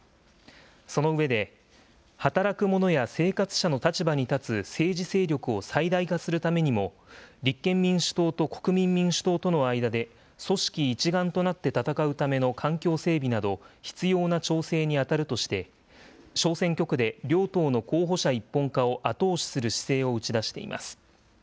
その上で、働く者や生活者の立場に立つ政治勢力を最大化するためにも、立憲民主党と国民民主党との間で、組織一丸となって闘うための環境整備など、必要な調整に当たるとして、小選挙区で両党の候補者一本化を後押しする姿勢を打ち出しています。